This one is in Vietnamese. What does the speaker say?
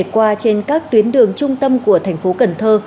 qua trên các tuyến đường trung tâm của thành phố cần thơ